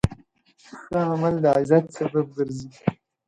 ښه عمل د عزت سبب ګرځي.